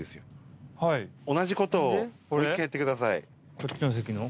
こっちの席の？